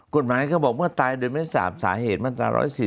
กฎหมายก็บอกว่าตายโดยไม่สาเหตุมาตร๑๔๘